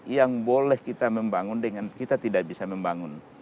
yang boleh kita membangun dengan kita tidak bisa membangun